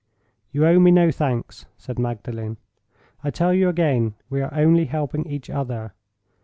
"You owe me no thanks," said Magdalen. "I tell you again, we are only helping each other.